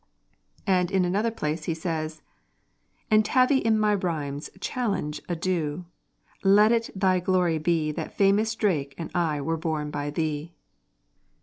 And in another place he says: "And Tavy in my rhymes Challenge a due; let it thy glory be That famous Drake and I were born by thee."